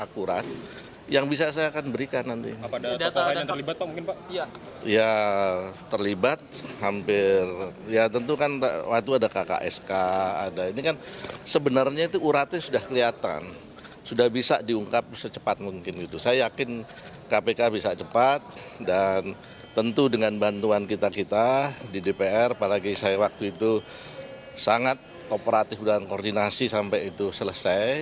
kepada saya kpk bisa cepat dan tentu dengan bantuan kita kita di dpr apalagi saya waktu itu sangat operatif dan koordinasi sampai itu selesai